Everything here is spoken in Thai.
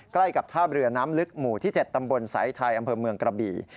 ใกล้กับท่าเรือน้ำลึกหมู่ที่๗ตำบลสายไทยอำเภอเมืองกระบี่